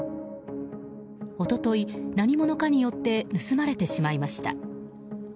一昨日、何者かによって盗まれてしまいました。